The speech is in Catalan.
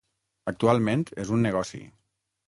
Actualment és un negoci.